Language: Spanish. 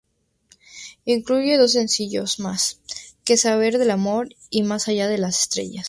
Incluye dos sencillos más: "Que sabes del amor" y "Más allá de las estrellas".